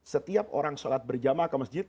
setiap orang sholat berjamaah ke masjid